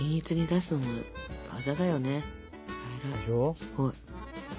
すごい。